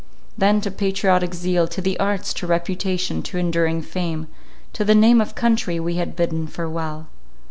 Then to patriotic zeal, to the arts, to reputation, to enduring fame, to the name of country, we had bidden farewell.